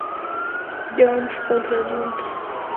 Johnstone contra Dundee United.